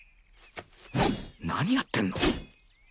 何やってんの？